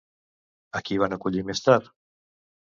A qui van acollir més tard?